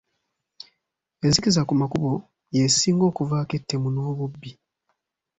Enzikiza ku makubo y'esinga okuvaako ettemu n'obubbi.